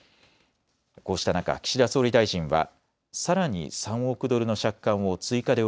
こうした中、岸田総理大臣はさらに３億ドルの借款を追加で